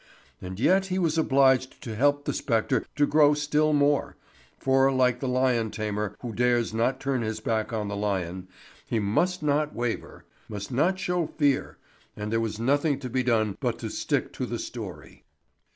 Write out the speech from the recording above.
And yet he was obliged to help the spectre to grow still more, for, like the lion tamer who dares not turn his back on the lion, he must not waver, must not show fear, and there was nothing to be done but to stick to the story.